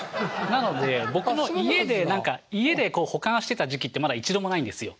なので僕の家で何か家で保管してた時期ってまだ一度もないんですよ。